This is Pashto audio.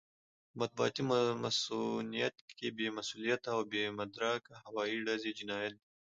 په مطبوعاتي مصؤنيت کې بې مسووليته او بې مدرکه هوايي ډزې جنايت دی.